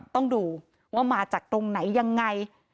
ต้องดูว่ามาจากตรงไหนยังไง